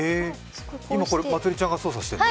今、まつりちゃんが操作してるの？